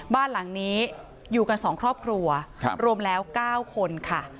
บ้านหลังนี้อยู่กัน๒ครอบครัวรวมแล้ว๙คนค่ะ